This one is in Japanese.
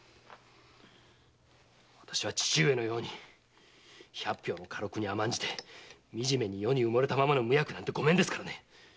私は父上のように百俵の家禄に甘んじてみじめに世に埋もれたままの無役なんてごめんですからね。